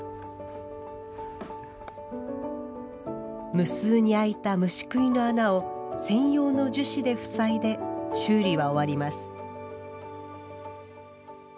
無数に空いた虫食いの穴を専用の樹脂でふさいで修理は終わります。